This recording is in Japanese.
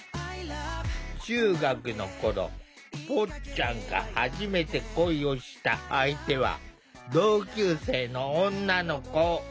中学の頃ぽっちゃんが初めて恋をした相手は同級生の女の子。